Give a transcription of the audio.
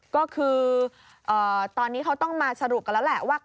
ก็คือตอนนี้เขาต้องมาสรุปกันแล้วแหละว่า